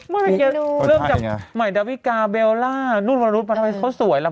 ไม่นะเกี๊ยวเริ่มจากใหม่ดาวิกาเบลล่านู่นวรรณุนมันทำไมเขาสวยแล้ว